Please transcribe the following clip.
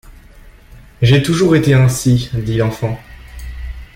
J’ai toujours été ainsi, dit l’enfant.